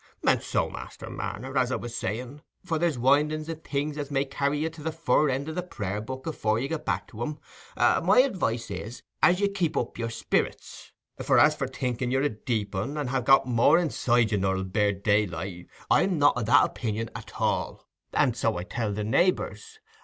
And so, Master Marner, as I was saying—for there's windings i' things as they may carry you to the fur end o' the prayer book afore you get back to 'em—my advice is, as you keep up your sperrits; for as for thinking you're a deep un, and ha' got more inside you nor 'ull bear daylight, I'm not o' that opinion at all, and so I tell the neighbours.